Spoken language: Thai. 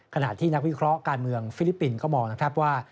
ขณะที่นักวิเคราะห์การเมืองฟิลิปปินส์ก็มองนะครับว่า